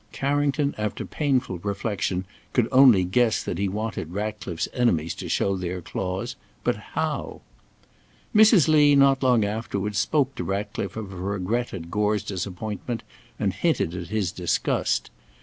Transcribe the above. Carrington, after painful reflection, could only guess that he wanted Ratcliffe's enemies to show their claws. But how? Mrs. Lee not long afterwards spoke to Ratcliffe of her regret at Gore's disappointment and hinted at his disgust.